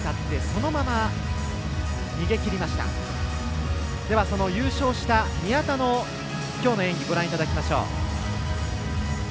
その優勝した宮田のきょうの演技ご覧いただきましょう。